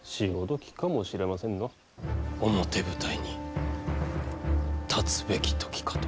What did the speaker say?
表舞台に立つべき時かと。